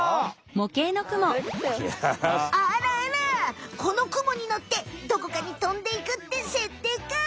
あらあらこのクモにのってどこかにとんでいくってせっていか！